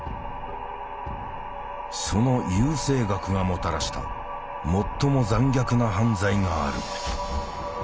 その優生学がもたらした最も残虐な犯罪がある。